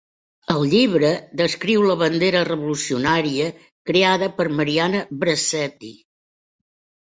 Al llibre, descriu la bandera revolucionària creada per Mariana Bracetti.